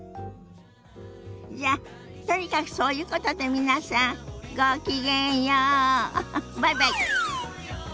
じゃとにかくそういうことで皆さんごきげんようバイバイ。